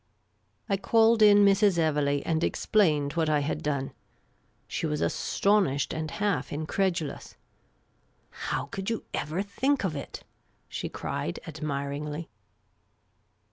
I called in Mrs. Evelegh, and explained what I had done. She was astonished and half incredulous. " How could you ever think of it ?" she cried, admiringly.